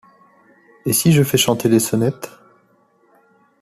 Et si je fais chanter les sonnettes ?